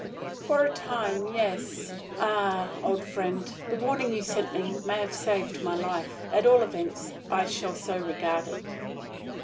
"For a time, yes. Ah, old friend, the warning you sent me may have saved my life. At all events, I shall so regard it."